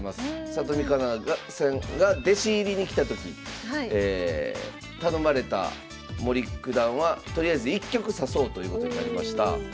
里見香奈さんが弟子入りに来た時頼まれた森九段はとりあえず１局指そうということになりました。